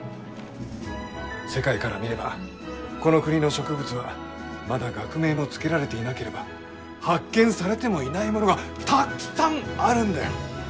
世界から見ればこの国の植物はまだ学名も付けられていなければ発見されてもいないものがたっくさんあるんだよ！